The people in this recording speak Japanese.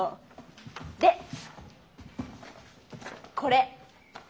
でこれ。